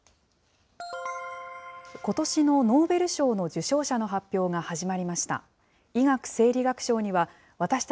ことしのノーベル賞の受賞者の発表が始まりました。